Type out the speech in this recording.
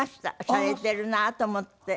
シャレてるなと思って。